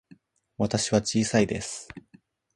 私は小さいです。